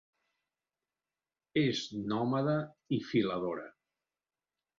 És nòmada i filadora.